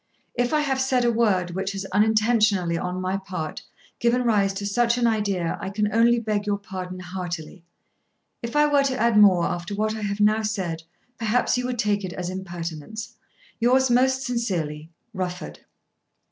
If I have said a word which has, unintentionally on my part, given rise to such an idea I can only beg your pardon heartily. If I were to add more after what I have now said perhaps you would take it as an impertinence. Yours most sincerely, RUFFORD.